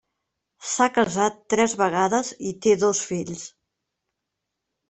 S'ha casat tres vegades i té dos fills.